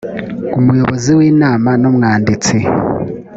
umuyobozi w ‘inama n ‘umwanditsi .